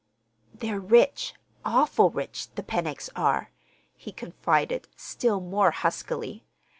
"They're rich—awful rich—the Pennocks are," he confided still more huskily.